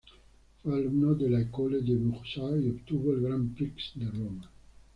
Fue alumno de la École des Beaux-Arts y obtuvo el Gran Prix de Roma.